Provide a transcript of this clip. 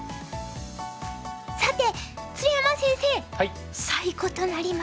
さて鶴山先生最後となりました。